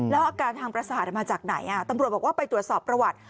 แล้วอาการทางประสาทมาจากไหนตำรวจบอกว่าไปตรวจสอบประวัติ